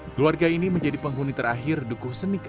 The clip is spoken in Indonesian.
keluarga ini menjadi penghuni terakhir dukuh senik